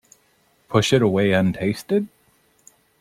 Push it away untasted?